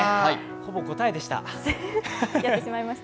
ほぼ答えでした。